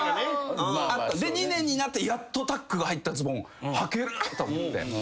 ２年になってやっとタックが入ったズボンはけると思って。